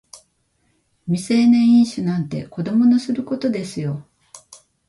未成年飲酒なんて子供のすることですよ